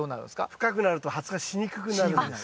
深くなると発芽しにくくなるんです。